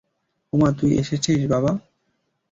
ওম, তুই এসেছিস বাবা।